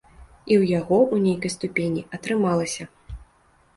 І ў яго, у нейкай ступені, атрымалася.